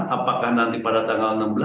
apakah nanti pada tanggal enam belas